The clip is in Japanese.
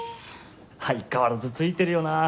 相変わらずツイてるよな。